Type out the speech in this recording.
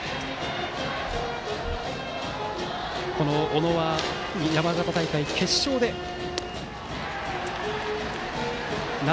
この小野は山形大会決勝で７